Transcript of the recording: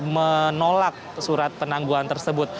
menolak surat penangguhan tersebut